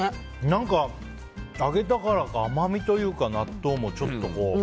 揚げたからか甘みというか納豆もちょっと。